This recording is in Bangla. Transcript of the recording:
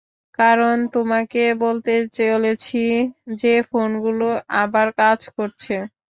কারণ তোমাকে বলতে চলেছি যে ফোনগুলো আবার কাজ করছে।